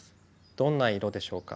どんな色でしょうか？